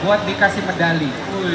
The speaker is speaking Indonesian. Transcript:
buat dikasih medali